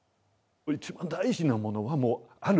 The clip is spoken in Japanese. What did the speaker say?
一番大事なものはもうある。